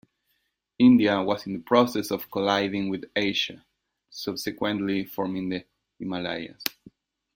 India was in the process of colliding with Asia, subsequently forming the Himalayas.